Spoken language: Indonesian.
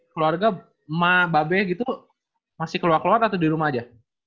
keluarga mama babe gitu masih keluar keluar atau di rumah aja